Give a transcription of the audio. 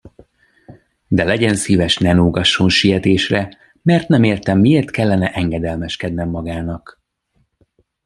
De legyen szíves, ne nógasson sietésre, mert nem értem, miért kellene engedelmeskednem magának.